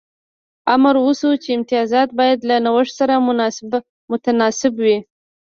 امر وشو چې امتیازات باید له نوښت سره متناسب وي